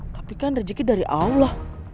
tapi kan rezeki dari allah